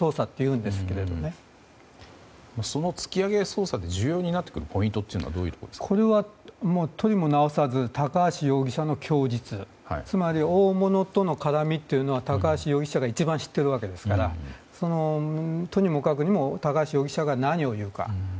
その突き上げ捜査で重要になってくるポイントはこれは、とりもなおさず大物との絡みは高橋容疑者が一番知ってるわけですからとにもかくにも高橋容疑者が何を言うか。